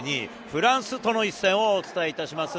フランスとの一戦をお伝えいたします。